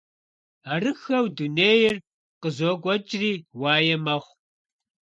Арыххэу дунейр къызокӀуэкӀри уае мэхъу.